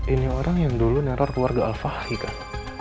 ini orang yang dulu neror keluarga al fahri kan